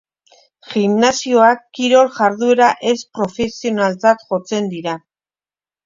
Gimnasioak kirol jarduera ez profesionaltzat jotzen dira.